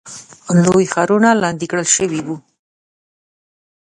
لوی ښارونه لاندې کړل شوي وو.